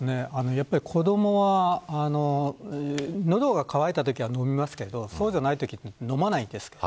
やっぱり子どもは喉が渇いたときは飲みますけどそうじゃないときは飲まないんです。